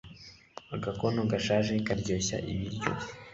agakono gashaje karyoshya ibiryo